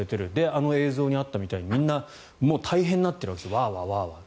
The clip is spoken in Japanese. あの映像にあったみたいにみんな大変になってるわけですワーワー、ワーワー。